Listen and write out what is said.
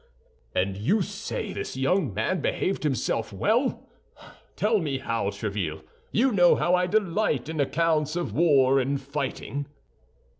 "And you say this young man behaved himself well? Tell me how, Tréville—you know how I delight in accounts of war and fighting."